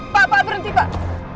pak pak berhenti pak